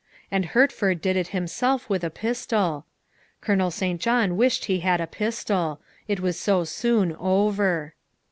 And Hert ford did it himself with a pistol. Colonel St. John wished he had a pistol. It was so soon over.